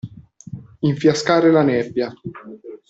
Infiascare la nebbia.